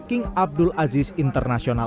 pertemuan mereka berlangsung di bandar sabah